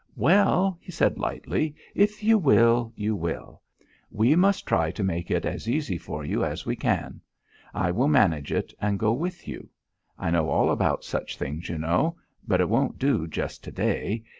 "Well," he said lightly, "if you will, you will. We must try to make it as easy for you as we can. I will manage it, and go with you. I know all about such things, you know. But it won't do just to day.